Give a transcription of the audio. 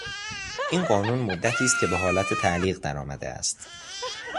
این قانون مدتی است که به حالت تعلیق در آمده است.